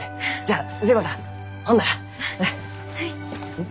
うん？